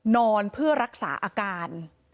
นอนเพื่อรักษาอาการ